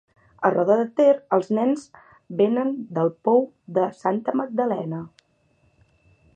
A Roda de Ter els nens venen del pou de Santa Magdalena.